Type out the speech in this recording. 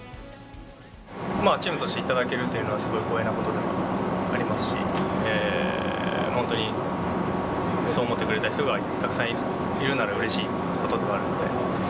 まあ、チームとして頂けるというのはすごく光栄なことでありますし、本当にそう思ってくれた人がたくさんいるならうれしいことでもあるんで。